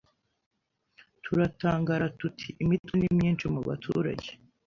Turatangara tuti Imitwe ni myinshi mubaturage